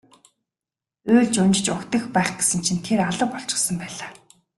Уйлж унжиж угтах байх гэсэн чинь тэр алга болчихсон байлаа.